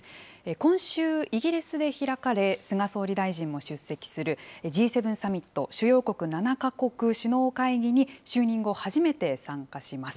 今週イギリスで開かれ、菅総理大臣も出席する、Ｇ７サミット・主要国７か国首脳会議に就任後初めて参加します。